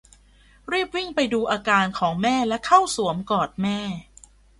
รีบวิ่งไปดูอาการของแม่และเข้าสวมกอดแม่